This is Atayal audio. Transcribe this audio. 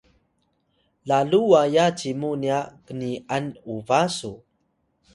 Piling: lalu waya cimu nya kni’an uba su?